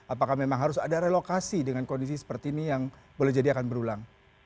apakah memang harus ada relokasi dengan kondisi seperti ini yang boleh jadi akan berulang